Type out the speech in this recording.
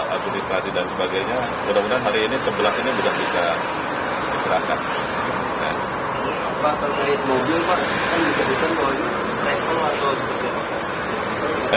administrasi dan sebagainya mudah mudahan hari ini sebelas ini sudah bisa diserahkan